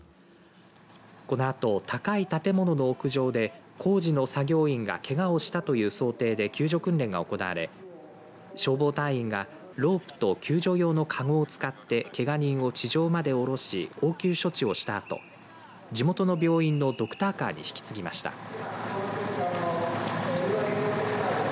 このあと、高い建物の屋上で工事の作業員がけがをしたという想定で救助訓練が行われ消防隊員がロープと救助用の籠を使ってけが人を地上まで下ろし応急処置をしたあと地元の病院のドクターカーに引き継ぎました。